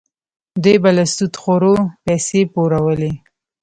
دوی به له سودخورو پیسې پورولې.